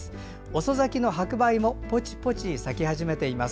遅咲きの白梅もぽちぽち咲き始めています。